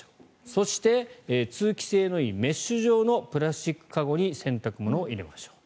そして、通気性のいいメッシュ状のプラスチック籠に洗濯物を入れましょう。